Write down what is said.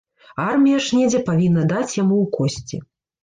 Армія ж недзе павінна даць яму ў косці.